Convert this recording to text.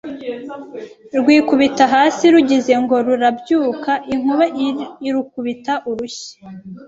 rwikubita hasi rugize ngo rurabyuka inkuba irukubita urushyi